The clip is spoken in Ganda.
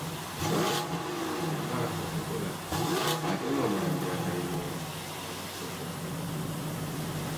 Chwa yamala okubula ate ng'Omulangira Kalemeera ye yamusooka okufa.